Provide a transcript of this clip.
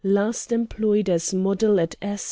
Last employed as a model at S.'